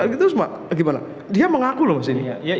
gimana dia mengaku loh mas ini